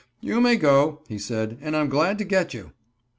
"You may go," he said, "and I'm glad to get you."